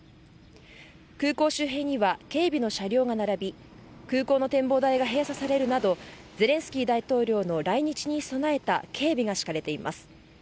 空港周辺には警備の車両が並び空港の展望台が閉鎖されるなどゼレンスキー大統領の来日に備えた警備が敷かれています。